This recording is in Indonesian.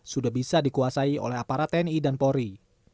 sudah bisa dikuasai oleh aparat tni dan polri